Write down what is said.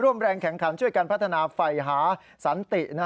แรงแข่งขันช่วยกันพัฒนาไฟหาสันติ